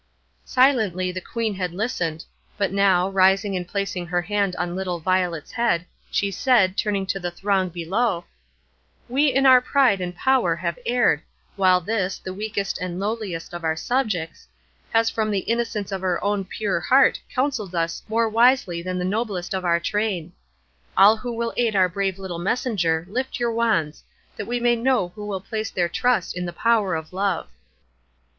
Silently the Queen had listened, but now, rising and placing her hand on little Violet's head, she said, turning to the throng below:— "We in our pride and power have erred, while this, the weakest and lowliest of our subjects, has from the innocence of her own pure heart counselled us more wisely than the noblest of our train. All who will aid our brave little messenger, lift your wands, that we may know who will place their trust in the Power of Love."